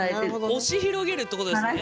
押し広げるってことですね？